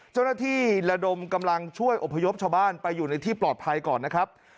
เจ้าหน้าที่ระดมกำลังช่วยอพยพชาวบ้านไปอยู่ในที่ปลอดภัยก่อนนะครับ